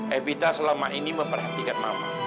evita selama ini memperhatikan nama